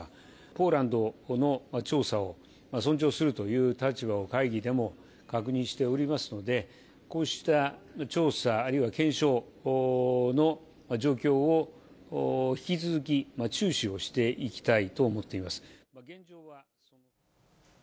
ポーランドの調査を尊重するという立場を会議でも確認しておりますので、こうした調査、あるいは検証の状況を引き続き注視をしていきたいと思っています。